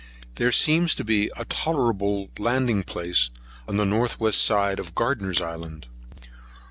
There seems to be a tolerable landing place on the north west side of Gardner's Island.